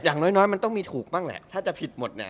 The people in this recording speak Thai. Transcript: อย่างน้อยมันต้องมีถูกบ้างแหละถ้าจะผิดหมดเนี่ย